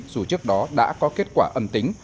dù trước đó đã có kết quả ân tính